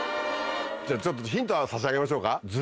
じゃあちょっとヒント差し上げましょうか。